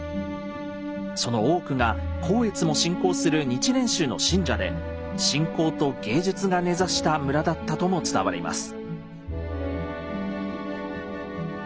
その多くが光悦も信仰する日蓮宗の信者で信仰と芸術が根ざした村だったとも伝わります。